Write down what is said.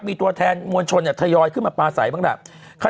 มีตัวแทนมวลชนเนี่ยทยอยขึ้นมาปลาใสบ้างแหละ